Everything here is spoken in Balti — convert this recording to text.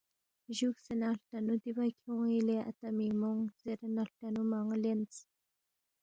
جُوکسے نہ ہلٹنُو دِیبا کھیون٘ی لے اتا مِنگمونگ زیرے نہ ہلٹنُو موان٘ی لینس